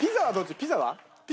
ピザは？